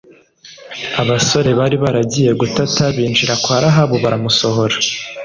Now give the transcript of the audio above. Abasore bari baragiye gutata binjira kwa rahabu baramusohora